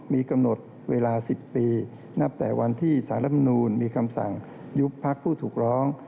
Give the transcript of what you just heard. มีกำหนดเวลา๑๐ปีนับแต่วันที่สารรัฐมนูลมีคำสั่งยุบพักผู้ถูกร้อง